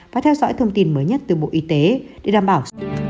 và theo dõi thông tin mới nhất từ bộ y tế để đảm bảo